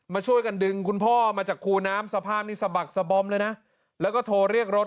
มาช่วยกันดึงคุณพ่อมาจากคูน้ำสภาพนี้สะบักสะบอมเลยนะแล้วก็โทรเรียกรถ